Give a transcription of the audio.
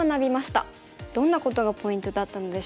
どんなことがポイントだったのでしょうか。